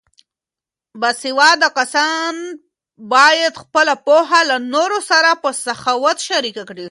باسواده کسان باید خپله پوهه له نورو سره په سخاوت شریکه کړي.